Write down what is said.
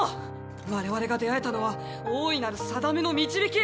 我々が出会えたのは大いなる運命の導き。